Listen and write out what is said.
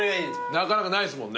なかなかないですもんね。